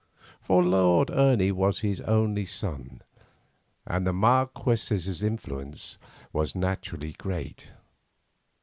For Lord Ernie was the only son, and the Marquess's influence was naturally great.